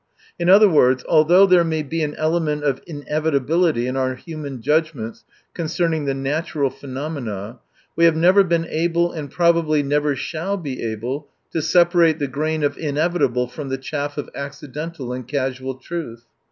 In other words, although there may be aif 'element of inevitability in our human judgments concerning the natural pheno mena, we have never been able and prob ably never shall be able to separate the grain of inevitable from the chaff of acci dental and casual trut^.